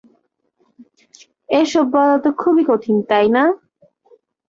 এসব বলা তো খুবই কঠিন, তাই না?